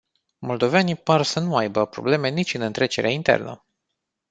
Moldovenii par să nu aibă probleme nici în întrecerea internă.